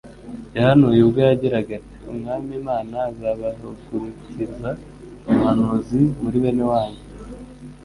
yahanuye ubwo yagiraga ati: «Umwami Imana azabahagurukiza umuhanuzi muri bene wanyu,